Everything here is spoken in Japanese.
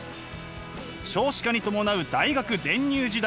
少子化に伴う大学全入時代。